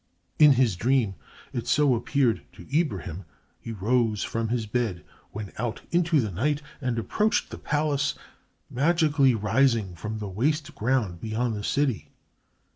In his dream, it so appeared to Ibrahim, he rose from his bed, went out into the night, and approached the palace magically rising from the waste ground beyond the city.